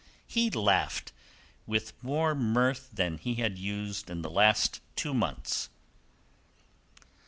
He laughed, with more mirth than he had used in the last two months.